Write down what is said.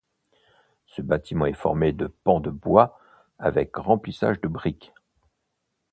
Ce bâtiment est formé de pans de bois avec remplissage de briques.